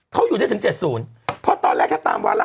เขาอยู่ได้ถึง๗๐เพราะตอนแรกถ้าตามวาระ